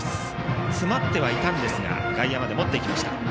詰まってはいたんですが外野まで持っていきました。